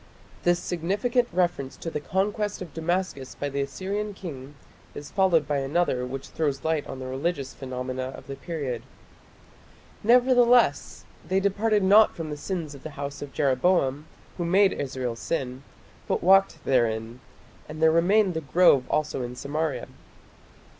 This significant reference to the conquest of Damascus by the Assyrian king is followed by another which throws light on the religious phenomena of the period: "Nevertheless they departed not from the sins of the house of Jeroboam, who made Israel sin, but walked therein: and there remained the grove also in Samaria".